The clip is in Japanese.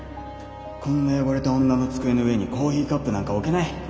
こんな汚れた女の机の上にコーヒーカップなんか置けない。